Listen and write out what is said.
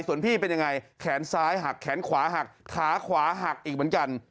ส่วนพี่เป็นยังไงแขนซ้ายหักแขนขวาหักขาขวาหักอีกเหมือนกัน